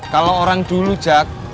kalau orang dulu jack